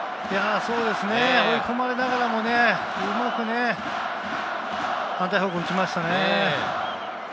そうですね、追い込まれながらもね、うまく反対方向に打ちました。